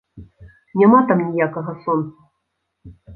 Няма там ніякага сонца.